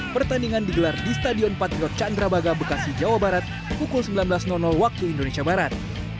pertandingan digelar di stadion patriot candrabaga bekasi jawa barat pukul sembilan belas waktu indonesia barat